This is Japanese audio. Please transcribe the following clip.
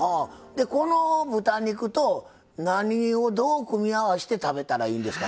でこの豚肉と何をどう組み合わして食べたらいいんですか？